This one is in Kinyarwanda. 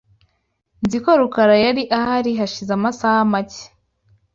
Nzi ko Rukara yari ahari hashize amasaha make.